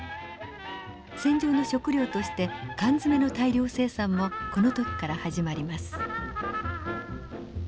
戦場の食糧として缶詰の大量生産もこの時から始まります。